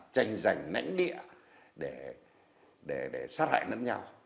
tranh giành nãnh địa để sát hại lẫn nhau